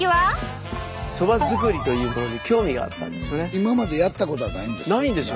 今までやったことはないんですか？